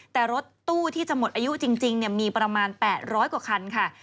แต่รถตู้ที่จะหมดอายุจริงมีประมาณ๘๐๐กว่าคันค่ะ